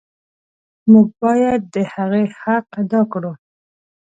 موږ باید د هغې حق ادا کړو.